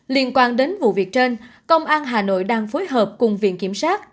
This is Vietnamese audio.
liên quan đến vụ việc trên công an hà nội đang phối hợp cùng viện kiểm sát